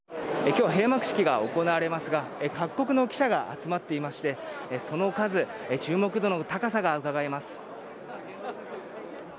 今日は閉幕式が行われますが各国の記者が集まっていましてその数、注目度の高さがうかがえます。